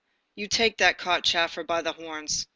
you take the cockchafer by the horns.